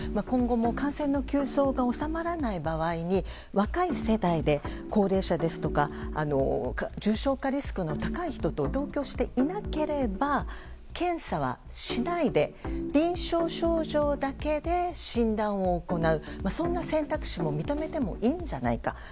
今後も感染急増が収まらない場合に若い世代で、高齢者ですとか重症化リスクの高い人と同居していなければ検査はしないで臨床症状だけで診断を行う、そんな選択肢も認めてもいいんじゃないか。